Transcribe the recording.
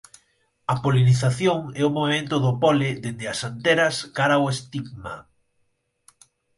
A polinización é o movemento do pole dende as anteras cara ao estigma.